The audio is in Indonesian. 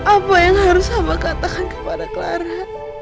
apa yang harus hamba katakan kepada clara